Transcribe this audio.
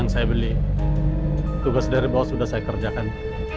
yang saya beli tugas dari bos sudah saya kerjakan